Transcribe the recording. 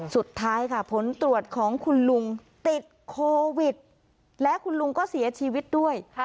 สุดท้ายค่ะผลตรวจของคุณลุงติดโควิดและคุณลุงก็เสียชีวิตด้วย